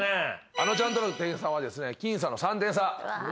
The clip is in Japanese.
あのちゃんとの点差は僅差の３点差。